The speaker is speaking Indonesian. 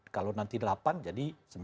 kalau nanti delapan jadi sembilan